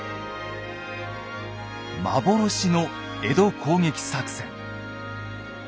幻の江戸攻撃作戦。